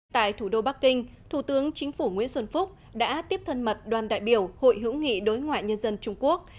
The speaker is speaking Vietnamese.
tại thủ đô bắc kinh thủ tướng chính phủ nguyễn xuân phúc đã tiếp thân mật đoàn đại biểu hội hữu nghị đối ngoại nhân dân trung quốc